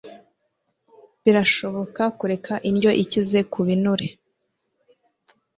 Birashoboka kureka indyo ikize ku binure